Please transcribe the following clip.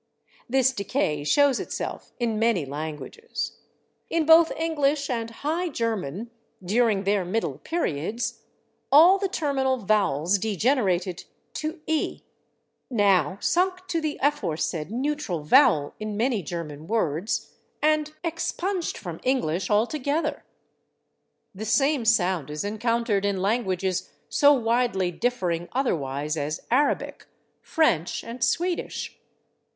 This decay shows itself in many languages. In both English and High German, during their middle periods, all the terminal vowels degenerated to /e/ now sunk to the aforesaid neutral vowel in many German words, and expunged from English altogether. The same sound is encountered in languages so widely differing otherwise as Arabic, French and Swedish.